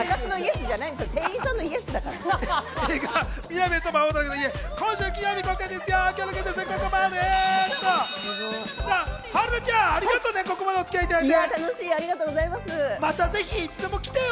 映画は今週、金曜日公開ですよ。